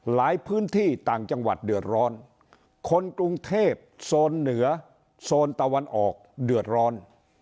หลายพื้นที่ต่างจังหวัดเดือดร้อนคนกรุงเทพโซนเหนือโซนตะวันออกเดือดร้อน